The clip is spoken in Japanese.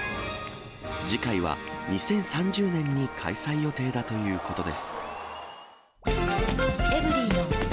次回は２０３０年に開催予定だということです。